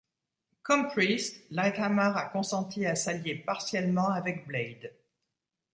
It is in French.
Comme Priest, Lighthammer a consenti à s’allier partiellement avec Blade.